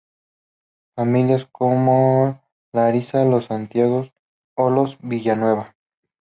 Familias como los Ariza, los Santiago o los Villanueva.